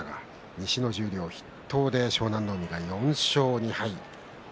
西の十両筆頭で湘南乃海４勝２敗。